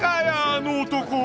あの男。